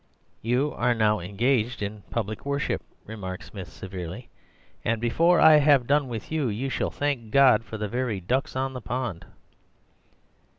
"'You are now engaged in public worship,' remarked Smith severely, 'and before I have done with you, you shall thank God for the very ducks on the pond.